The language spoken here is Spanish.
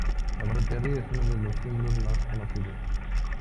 La gorra de Terry es uno de sus símbolos más conocidos.